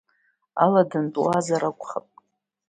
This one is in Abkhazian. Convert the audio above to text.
Аладантә уаауазар акәхап?